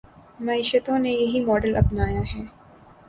معیشتوں نے یہی ماڈل اپنایا ہے۔